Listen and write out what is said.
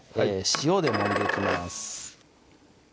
塩でもんでいきます